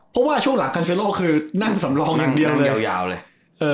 เพราะว่าช่วงหลังคันทึเลโรคือนั่นสำรองนี่นั่งยาวเลยเออ